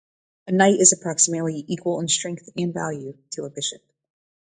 A knight is approximately equal in strength and value to a bishop.